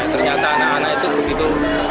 ternyata anak anak itu begitu